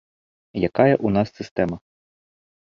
Якая ў нас сістэма?